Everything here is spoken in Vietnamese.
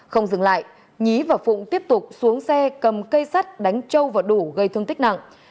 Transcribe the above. không dừng lại nhí và phụng tiếp tục xuống xe cầm cây sắt đánh châu và đủ gây thương tích nặng